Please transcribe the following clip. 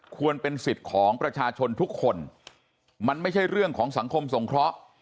ควรเป็นสิทธิ์ของประชาชนทุกคนมันไม่ใช่เรื่องของสังคมสงเคราะห์